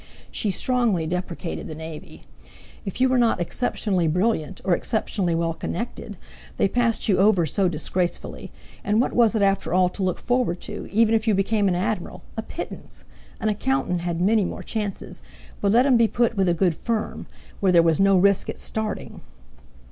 She strongly deprecated the navy. If you were not exceptionally brilliant or exceptionally well connected, they passed you over so disgracefully, and what was it after all to look forward to, even if you became an admiral—a pittance! An accountant had many more chances, but let him be put with a good firm, where there was no risk at starting!